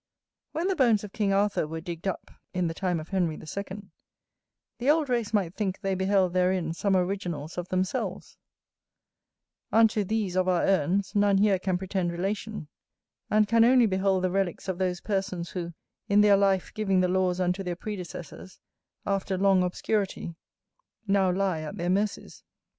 When the bones of King Arthur were digged up,[AA] the old race might think they beheld therein some originals of themselves; unto these of our urns none here can pretend relation, and can only behold the relicks of those persons who, in their life giving the laws unto their predecessors, after long obscurity, now lie at their mercies.